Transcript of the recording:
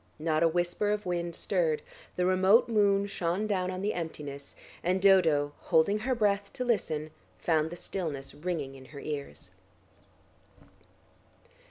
Not a whisper of wind stirred, the remote moon shone down on the emptiness, and Dodo, holding her breath to listen, found the stillness ringing in her ears.